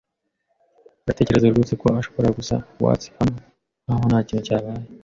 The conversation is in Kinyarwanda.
Aratekereza rwose ko ashobora gusa waltz hano nkaho ntakintu cyabaye?